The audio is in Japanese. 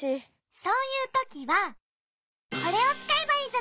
そういうときはこれをつかえばいいじゃない。